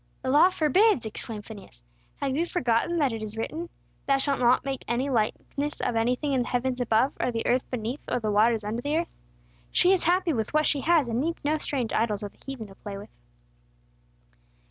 "The law forbids!" exclaimed Phineas. "Have you forgotten that it is written, 'Thou shalt not make any likeness of anything in the heavens above or the earth beneath, or the waters under the earth'? She is happy with what she has, and needs no strange idols of the heathen to play with."